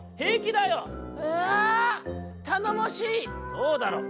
「そうだろう。